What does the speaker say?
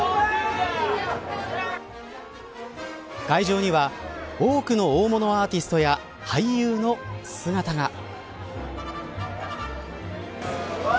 会場には多くの大物アーティストや俳優の姿が。